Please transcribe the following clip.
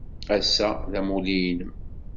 Ass-a, d amulli-nnem?